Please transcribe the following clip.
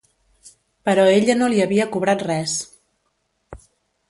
Però ella no li havia cobrat res.